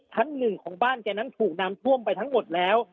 ชั้นหนึ่งของบ้านแกนั้นถูกน้ำท่วมไปทั้งหมดแล้ว